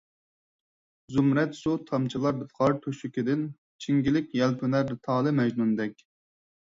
زۇمرەت سۇ تامچىلار غار تۆشۈكىدىن، چىڭگىلىك يەلپۈنەر تالى مەجنۇندەك،